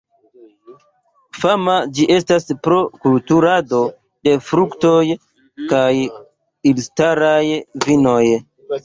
Fama ĝi estas pro kulturado de fruktoj kaj elstaraj vinoj.